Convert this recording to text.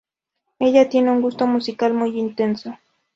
Ella tiene un gusto musical muy intenso.